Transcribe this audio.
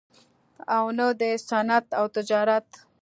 او نه دَصنعت او تجارت